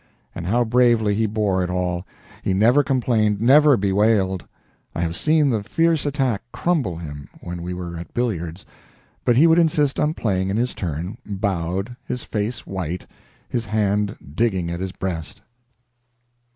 And how bravely he bore it all! He never complained, never bewailed. I have seen the fierce attack crumple him when we were at billiards, but he would insist on playing in his turn, bowed, his face white, his hand digging at his breast.